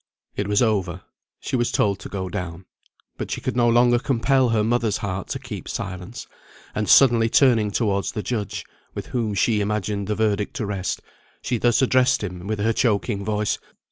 It was over. She was told to go down. But she could no longer compel her mother's heart to keep silence, and suddenly turning towards the judge (with whom she imagined the verdict to rest), she thus addressed him with her choking voice.